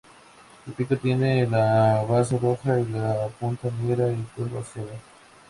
Su pico tiene la base roja y la punta negra y curvada hacia abajo.